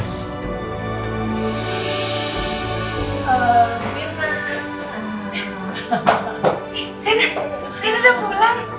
rena rena udah pulang